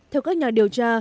theo các nhà điều tra